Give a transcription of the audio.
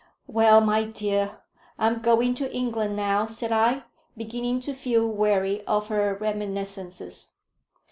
"Well, my dear, I'm going to England now," said I, beginning to feel weary of her reminiscences.